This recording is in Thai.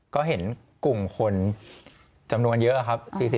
ก็เห็นกลุ่มคนจำนวนเยอะครับ